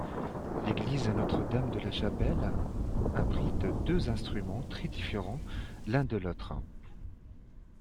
L'église Notre-Dame de la Chapelle abrite deux instruments très différents l'un de l'autre.